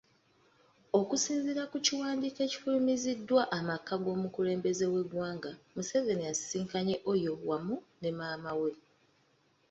Okusinziira ku kiwandiiko ekifulumiziddwa amaka g'omukulembeze w'eggwanga, Museveni asisinkanye Oyo wamu ne maama we.